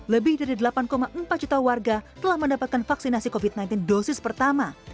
lebih dari delapan empat juta warga telah mendapatkan vaksinasi covid sembilan belas dosis pertama